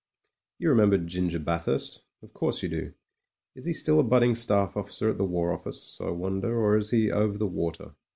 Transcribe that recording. You remember Ginger Bathurst— of course you do. Is he still a budding Staff Officer at the War Office, I wonder, or is he over the water